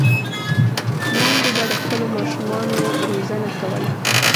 میندو به د خپلو ماشومانو روزنه کوله.